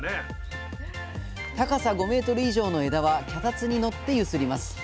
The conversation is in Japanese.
高さ５メートル以上の枝は脚立にのって揺すります。